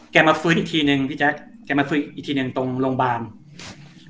มาฟื้นอีกทีหนึ่งพี่แจ๊คแกมาฟื้นอีกทีหนึ่งตรงโรงพยาบาลครับ